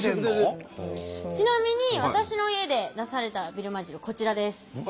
ちなみに私の家で出されたビルマ汁こちらです。